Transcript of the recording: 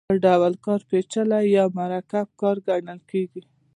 دا ډول کار پېچلی یا مرکب کار ګڼل کېږي